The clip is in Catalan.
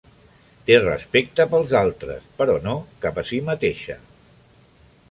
Té respecte pels altres però no cap a si mateixa.